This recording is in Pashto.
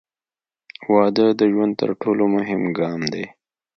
• واده د ژوند تر ټولو مهم ګام دی.